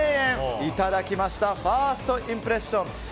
いただきましたファーストインプレッション。